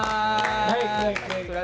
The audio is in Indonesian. baik baik baik